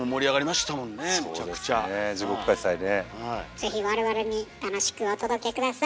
ぜひ我々に楽しくお届け下さい。